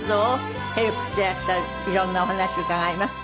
いろんなお話伺います。